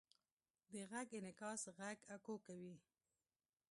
د غږ انعکاس غږ اکو کوي.